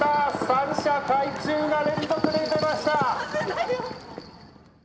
三射皆中が連続で出ました」。